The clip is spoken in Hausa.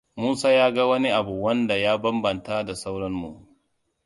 Musa ya ga wani abu wanda ya bambanta da sauran mu.